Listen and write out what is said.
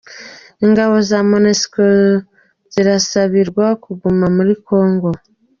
Ingabo za Monesiko zirasabirwa kuguma muri kongo